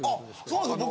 そうなんですよ